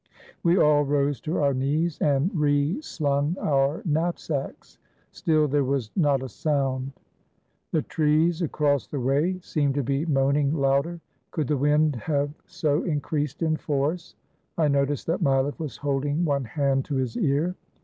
We all rose to our knees and reslung our knapsacks. Still, there was not a sound. The trees across the way seemed to be moaning louder. Could the wind have so increased in force? I noticed that Mileff was holding one hand to his ear.